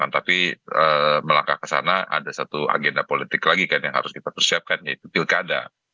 tapi melangkah ke sana ada satu agenda politik lagi kan yang harus kita persiapkan yaitu pilkada